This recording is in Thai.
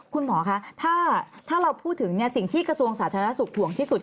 คุณหมอคะถ้าเราพูดถึงสิ่งที่กระทรวงสาธารณสุขห่วงที่สุด